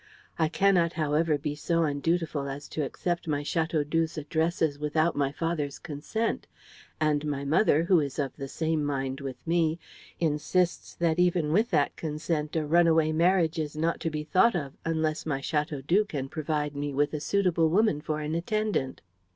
I cannot, however, be so undutiful as to accept my Chateaudoux's addresses without my father's consent; and my mother, who is of the same mind with me, insists that even with that consent a runaway marriage is not to be thought of unless my Chateaudoux can provide me with a suitable woman for an attendant."